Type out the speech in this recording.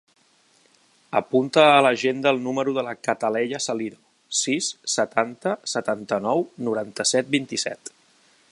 Apunta a l'agenda el número de la Cataleya Salido: sis, setanta, setanta-nou, noranta-set, vint-i-set.